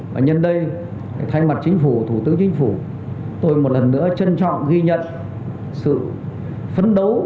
và nhân đây thay mặt chính phủ thủ tướng chính phủ tôi một lần nữa trân trọng ghi nhận sự phấn đấu